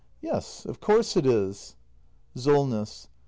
] Yes, of course it is. Solness.